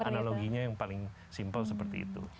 jadi analoginya yang paling simple seperti itu